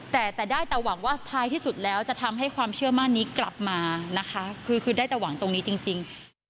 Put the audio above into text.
แต่แต่ได้แต่หวังว่าท้ายที่สุดแล้วจะทำให้ความเชื่อมั่นนี้กลับมานะคะคือได้แต่หวังตรงนี้จริง